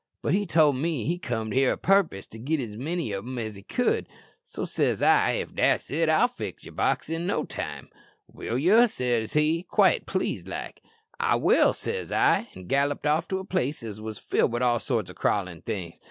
But he told me he comed here a purpose to git as many o' them as he could; so says I, 'If that's it, I'll fill yer box in no time.' "'Will ye?' says he, quite pleased like. "'I will,' says I, an' galloped off to a place as was filled wi' all sorts o' crawlin' things.